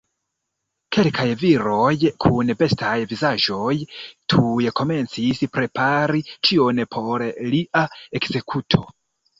Kelkaj viroj kun bestaj vizaĝoj tuj komencis prepari ĉion por lia ekzekuto.